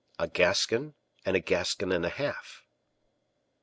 A Gascon, and a Gascon and a Half.